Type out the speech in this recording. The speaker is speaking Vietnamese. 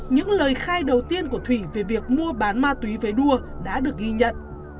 những lời khai đầu tiên của thủy về việc mua bán ma túy về đua đã được ghi nhận